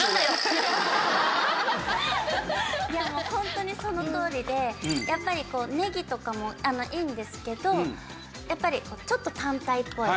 いやもうホントにそのとおりでやっぱりねぎとかもいいんですけどやっぱりちょっと単体っぽい。